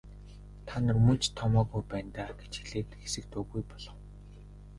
Та нар мөн ч томоогүй байна даа гэж хэлээд хэсэг дуугүй болов.